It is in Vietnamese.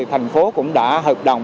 thành phố cũng đã hợp đồng